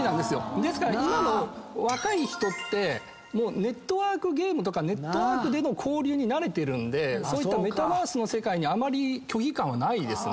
ですから今の若い人ってネットワークゲームとかネットワークでの交流に慣れてるんでそういったメタバースの世界にあまり拒否感はないですね。